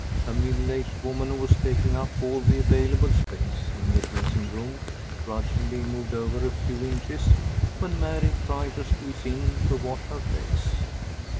A middle aged woman, who was taking up all the available space in the dressing room, grudgingly moved over a few inches when Mary tried to squeeze in to wash her face.